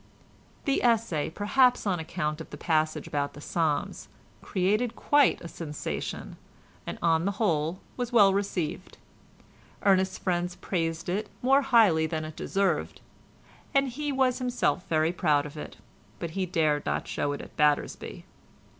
The essay, perhaps on account of the passage about the Psalms, created quite a sensation, and on the whole was well received. Ernest's friends praised it more highly than it deserved, and he was himself very proud of it, but he dared not show it at Battersby.